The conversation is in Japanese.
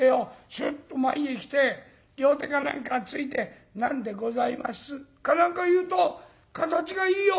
スッと前へ来て両手か何かついて『何でございます？』か何か言うと形がいいよ！」。